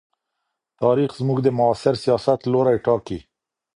تاریخ زموږ د معاصر سیاست لوری ټاکي.